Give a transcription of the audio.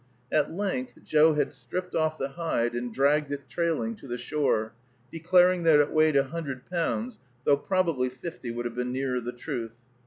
At length Joe had stripped off the hide and dragged it trailing to the shore, declaring that it weighed a hundred pounds, though probably fifty would have been nearer the truth.